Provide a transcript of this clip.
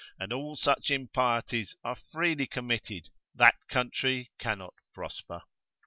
and all such impieties are freely committed, that country cannot prosper.